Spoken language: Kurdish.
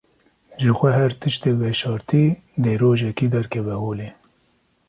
Jixwe her tiştê veşartî dê rojekê derkeve holê.